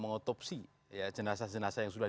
mengotopsi jenazah jenazah yang sudah